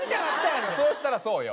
そうしたらそうよ。